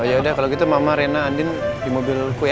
oh yaudah kalo gitu mama rena andin di mobilku ya